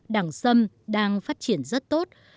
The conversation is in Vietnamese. đẳng sâm đang phát triển rất tốt